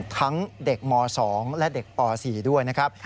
ทั้งเด็กม๒และเด็กป๔ด้วยนะครับ